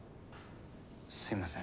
すみません。